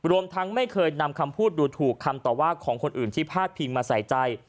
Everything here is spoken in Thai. ทั้งไม่เคยนำคำพูดดูถูกคำตอบว่าของคนอื่นที่พาดพิงมาใส่ใจ